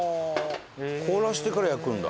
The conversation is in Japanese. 凍らしてから焼くんだ。